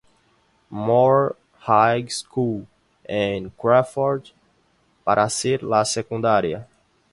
Moor High School en Crawford, para hacer la secundaria.